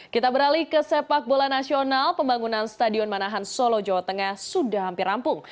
kita beralih ke sepak bola nasional pembangunan stadion manahan solo jawa tengah sudah hampir rampung